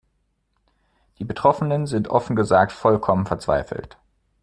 Die Betroffenen sind offen gesagt vollkommen verzweifelt.